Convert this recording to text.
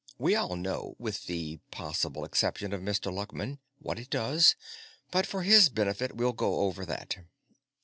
We all know, with the possible exception of Mr. Luckman, what it does, but for his benefit, we'll go over that.